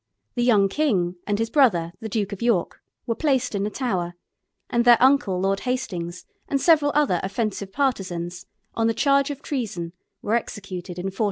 The young king and his brother, the Duke of York, were placed in the Tower, and their uncle, Lord Hastings, and several other offensive partisans, on the charge of treason, were executed in 1483.